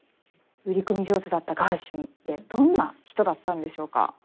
売り込み上手だったガーシュウィンってどんな人だったんでしょうか？